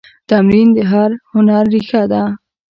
تمرین د هر هنر ریښه ده.